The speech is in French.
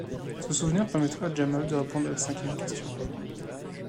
Ce souvenir permettra à Jamal de répondre à la cinquième question.